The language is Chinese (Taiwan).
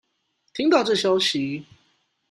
聽到這消息